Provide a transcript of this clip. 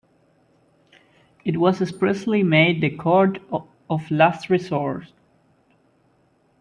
It was expressly made the court of last resort.